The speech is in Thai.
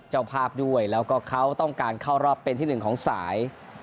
เจ้าภาพด้วยแล้วก็เขาต้องการเข้ารอบเป็นที่หนึ่งของสาย